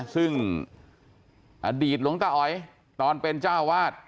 ซึ่งอดีตหลวงตาอ๋อยตอนเป็นเจ้าวาด